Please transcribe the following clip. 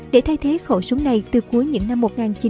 để thay thế khẩu súng này từ cuối những năm một nghìn chín trăm bảy mươi